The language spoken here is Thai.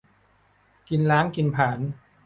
กินล้างกินผลาญ